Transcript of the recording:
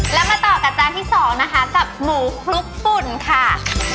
แล้วมาต่อกับจานที่สองนะคะกับหมูคลุกฝุ่นค่ะ